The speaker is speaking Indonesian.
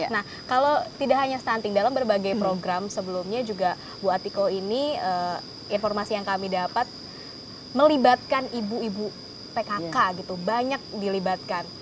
nah kalau tidak hanya stunting dalam berbagai program sebelumnya juga bu atiko ini informasi yang kami dapat melibatkan ibu ibu pkk gitu banyak dilibatkan